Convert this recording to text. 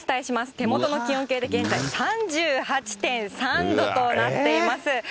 手元の気温計で現在、３８．３度となっています。